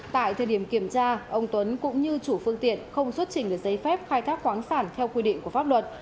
tại thời điểm kiểm tra ông tuấn cũng như chủ phương tiện không xuất trình được giấy phép khai thác khoáng sản theo quy định của pháp luật